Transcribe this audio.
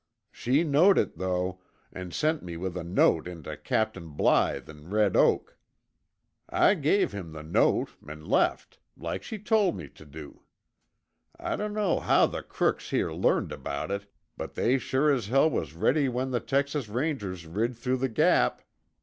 She knowed it though, an' sent me with a note intuh Captain Blythe in Red Oak. I gave him the note an' left, like she tol' me tuh do. I dunno how the crooks here learned about it, but they sure as hell was ready when the Texas Rangers rid through the Gap.